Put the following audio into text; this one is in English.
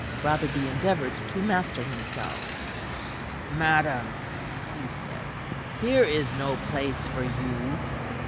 Rotherby endeavored to master himself. "Madam," he said, "here is no place for you."